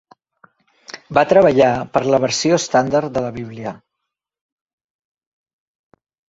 Va treballar per a la versió estàndard de la Bíblia.